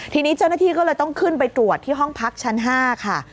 ทีนี้เจ้าหน้าที่ก็เลยต้องขึ้นไปตรวจที่ห้องพักชั้น๕ค่ะ